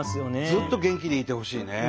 ずっと元気でいてほしいね。